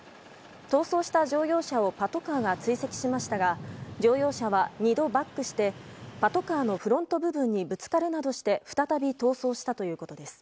逃走した乗用車をパトカーが追跡しましたが乗用車は２度バックしてパトカーのフロント部分にぶつかるなどして再び逃走したということです。